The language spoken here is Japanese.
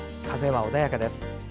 風は穏やかです。